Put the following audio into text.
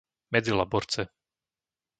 Medzilaborce